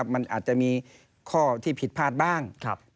มันอาจจะมีข้อที่ผิดพลาดบ้าง